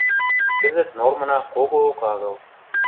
Кӹзӹт нормына когоок агыл.